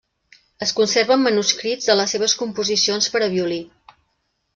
Es conserven manuscrits de les seves composicions per a violí.